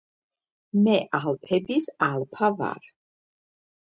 მე ალფების ალფა ვარ.